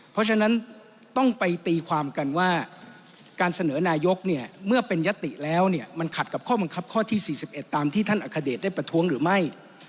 เพราะฉะนั้นต้องไปตีความกันว่าการเสนอนายกเนี่ยเมื่อเป็นยติแล้วเนี่ยมันขัดกับข้อบังคับข้อที่๔๑ตามที่ท่านอัคเดชได้ประท้วงหรือไม่